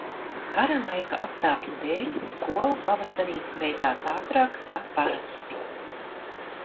Kara laika apstākļu dēļ skola pavasarī beidzās ātrāk kā parasti.